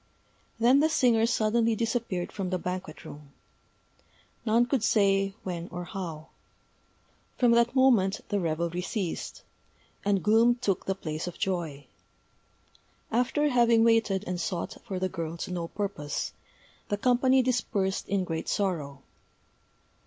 Then the singer suddenly disappeared from the banquet room none could say when or how. From that moment the revelry ceased; and gloom took the place of joy. After having waited and sought for the girl to no purpose, the company dispersed in great sorrow.